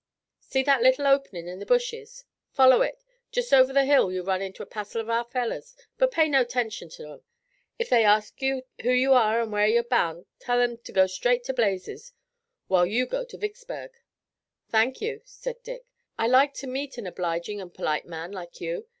"See that little openin' in the bushes. Follow it. Jest over the hill you'll run into a passel of our fellers, but pay no 'tention to 'em. If they ask you who you are an' whar you're boun' tell 'em to go straight to blazes, while you go to Vicksburg." "Thank you," said Dick, "I like to meet an obliging and polite man like you.